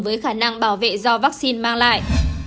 với khả năng bảo vệ do vaccine mang lại